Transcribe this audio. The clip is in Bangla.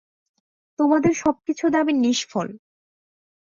তোমাদের সব কিছু দাবী নিষ্ফল।